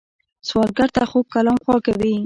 سوالګر ته خوږ کلام خواږه وي